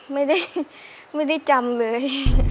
ไม่ได้จำเลย